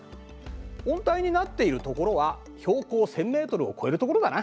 温帯になっている所は標高１，０００ｍを超える所だな。